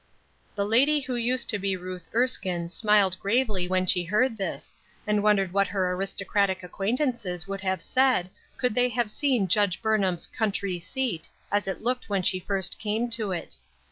The lady who used to be Ruth Erskine smiled gravely w r hen she heard this, and wondered what her aristocratic acquaintances would have said could they have seen Judge Burnham's "country seat" as it looked when she first came to it.